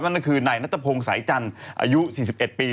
นั่นก็คือนายนัทพงศ์สายจันทร์อายุ๔๑ปี